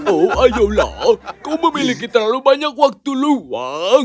oh ayolah kau memiliki terlalu banyak waktu luang